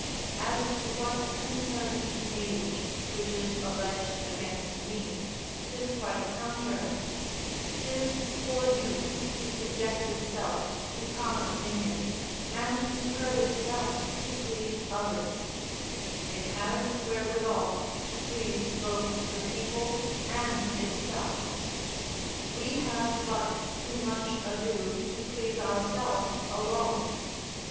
As to what concerns age, which is alleged against me, 'tis quite contrary; 'tis for youth to subject itself to common opinions, and to curb itself to please others; it has wherewithal to please both the people and itself; we have but too much ado to please ourselves alone.